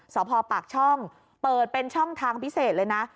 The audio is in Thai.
สพปากช่องเปิดเป็นช่องทางพิเศษเลยนะ